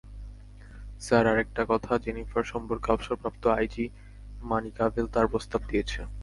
Sir, আরেকটা কথা, Jennifer সম্পর্কে-- অবসরপ্রাপ্ত আইজি, মানিকাভেল তার প্রস্তাব দিয়েছে।